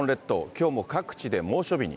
きょうも各地で猛暑日に。